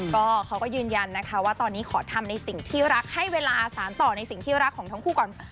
ก็เขาก็ยืนยันนะคะว่าตอนนี้ขอทำในสิ่งที่รักให้เวลาสารต่อในสิ่งที่รักของทั้งคู่ก่อน